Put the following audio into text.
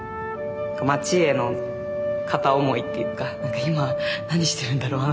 町への片思いっていうか「今何してるんだろう